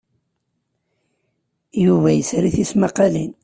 Yuba yesri tismaqqalin.